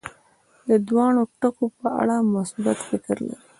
د دواړو ټکو په اړه مثبت فکر لري.